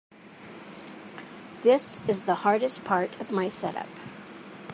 This is the hardest part of my setup.